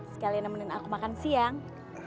sekalian nemenin aku makan siang